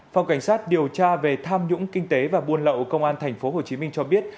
phòng cảnh sát điều tra về tham nhũng kinh tế và buôn lậu công an tp hcm cho biết